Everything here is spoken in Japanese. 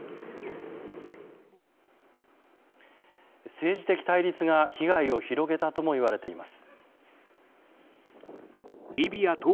政治的対立が、被害を広げたともいわれています。